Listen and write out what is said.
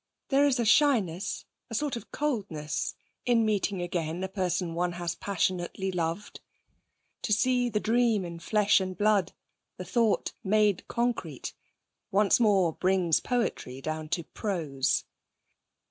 There is a shyness, a sort of coldness, in meeting again a person one has passionately loved. To see the dream in flesh and blood, the thought made concrete, once more brings poetry down to prose.